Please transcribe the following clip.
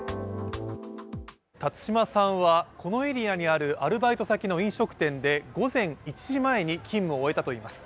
辰島さんはこのエリアにあるアルバイト先の飲食店で午前１時前に勤務を終えたといいます。